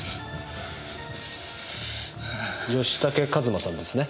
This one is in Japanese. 吉武和真さんですね？